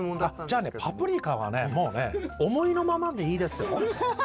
じゃあねパプリカはね思いのままでいいですよ。